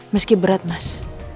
meski berat mas